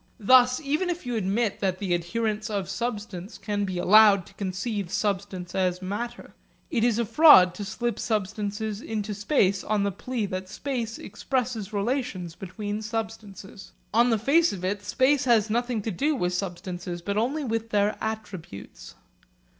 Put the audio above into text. Thus even if you admit that the adherents of substance can be allowed to conceive substance as matter, it is a fraud to slip substance into space on the plea that space expresses relations between substances. On the face of it space has nothing to do with substances, but only with their attributes.